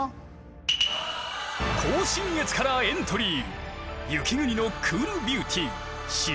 甲信越からエントリー。